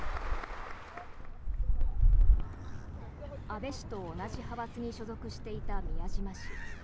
安倍氏と同じ派閥に所属していた宮島氏。